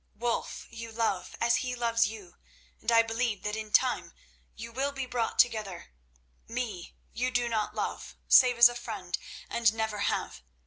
Wulf you love as he loves you, and I believe that in time you will be brought together. Me you do not love, save as a friend, and never have.